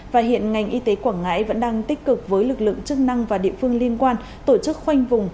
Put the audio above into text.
và hiện ngành y tế quảng ngãi vẫn đang tích cực với lực lượng chức năng và địa phương liên quan tổ chức khoanh vùng